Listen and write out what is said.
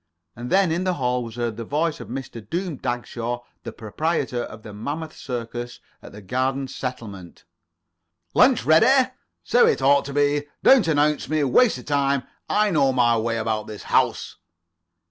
And then, in the hall, was heard the voice of Mr. Doom Dagshaw, the proprietor of the Mammoth Circus at the Garden Settlement. "Lunch ready? So it ought to be. Don't announce me. Waste of time. I know my way about in this house."